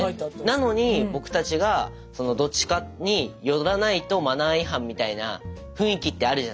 なのに僕たちがそのどっちかに寄らないとマナー違反みたいな雰囲気ってあるじゃないですか。